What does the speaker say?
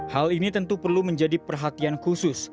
hal ini tentu perlu menjadi perhatian khusus